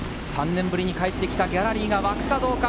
３年ぶりに帰ってきたギャラリーが沸くかどうか。